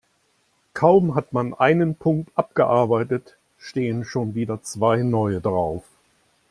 Kaum hat man einen Punkt abgearbeitet, stehen schon wieder zwei neue drauf.